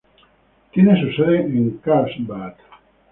Tiene su sede en Carlsbad.